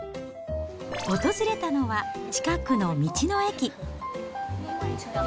訪れたのは、近くの道の駅。